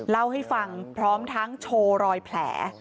เล่าให้ฟังพร้อมทั้งโชว์รอยแผล